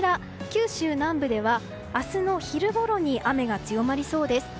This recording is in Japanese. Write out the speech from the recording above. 九州南部では明日の昼ごろ雨が強まりそうです。